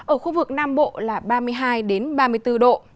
ở khu vực nam bộ là ba mươi hai ba mươi bốn độ